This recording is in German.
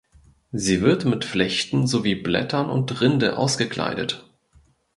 Sie wird mit Flechten sowie Blättern und Rinde ausgekleidet.